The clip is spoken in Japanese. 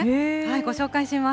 ご紹介します。